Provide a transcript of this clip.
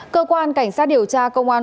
cơ quan cảnh sát điều tra công an